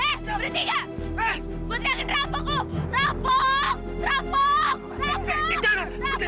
gue tidak akan terapuk lo